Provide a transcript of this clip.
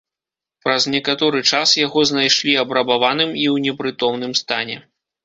Праз некаторы час яго знайшлі абрабаваным і ў непрытомным стане.